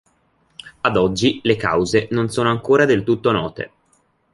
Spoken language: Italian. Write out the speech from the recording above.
Ad oggi le cause non sono ancora del tutto note.